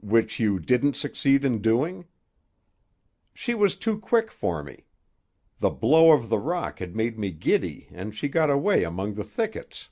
"Which you didn't succeed in doing?" "She was too quick for me. The blow of the rock had made me giddy, and she got away among the thickets."